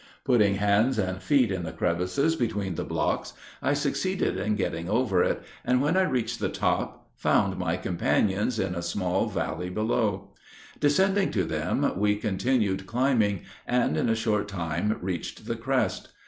Putting hands and feet in the crevices between the blocks, I succeeded in getting over it, and, when I reached the top, found my companions in a small valley below. Descending to them, we continued climbing, and in a short time reached the crest.